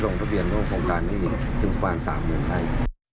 ลงทะเบียนรวมโครงการที่ถึงความ๓หมื่นไร